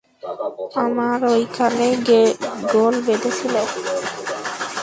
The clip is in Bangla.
আমার ঐখানেই গোল বেধেছিল।